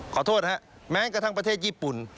ขอโทษฮะแม้กระทั่งประเทศญี่ปุ่น